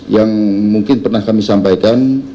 yang mungkin pernah kami sampaikan